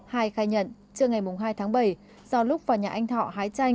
hai khai nhận trưa ngày hai tháng bảy do lúc vào nhà anh thọ hái chanh